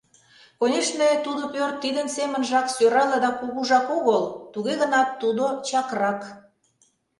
Конешне, тудо пӧрт тидын семынжак сӧрале да кугужак огыл, туге гынат тудо чакрак...